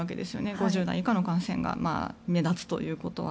５０代以下の感染が目立つということは。